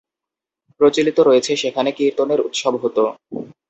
প্রচলিত রয়েছে, সেখানে কীর্তনের উৎসব হতো।